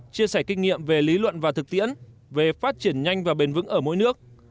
chia sẻ kinh nghiệm về lý luận và thực tiễn về phát triển nhanh và bền vững ở mỗi nước